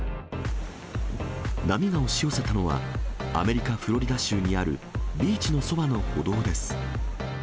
波が押し寄せたのは、アメリカ・フロリダ州にあるビーチのそばの歩道です。